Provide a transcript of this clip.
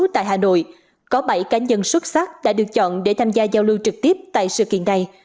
tại hà nội có bảy cá nhân xuất sắc đã được chọn để tham gia giao lưu trực tiếp tại sự kiện này